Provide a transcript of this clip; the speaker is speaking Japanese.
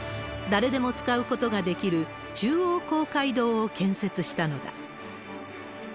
誰でも使うことができる中央公会堂を建設したのだ。